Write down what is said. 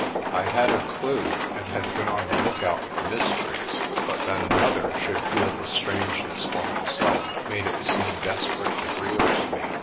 I had a clue and had been on the look out for mysteries, but that another should feel the strange ness for himself made it seem desperately real to me.